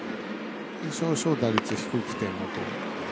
少々打率が低くても。